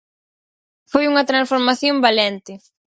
Foi unha transformación valente.